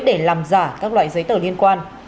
để làm giả các loại giấy tờ liên quan